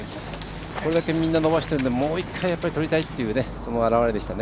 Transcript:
これだけみんな伸ばしているのでもう１回、とりたいというその表れでしたね。